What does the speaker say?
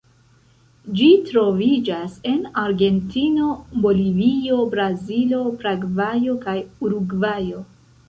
Ĝi troviĝas en Argentino, Bolivio, Brazilo, Paragvajo kaj Urugvajo.